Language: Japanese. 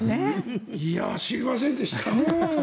知りませんでした。